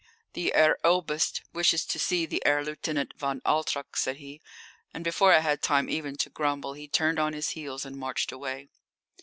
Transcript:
"The Herr Oberst wishes to see the Herr Lieutenant von Altrock," said he, and before I had time even to grumble he turned on his heels and marched away.